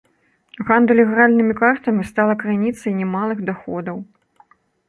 Гандаль ігральнымі картамі стала крыніцай немалых даходаў.